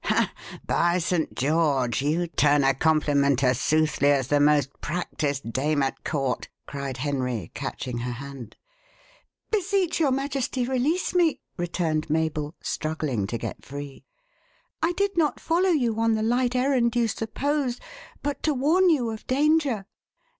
"Ha! by Saint George! you turn a compliment as soothly as the most practised dame at court," cried Henry, catching her hand. "Beseech your majesty, release me!" returned Mabel, struggling to get free. "I did not follow you on the light errand you suppose, but to warn you of danger.